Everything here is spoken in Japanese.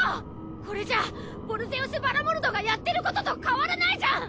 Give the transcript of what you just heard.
これじゃヴォルゼオス・バラモルドがやっていることと変わらないじゃん